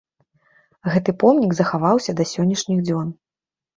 Гэты помнік захаваўся да сённяшніх дзён.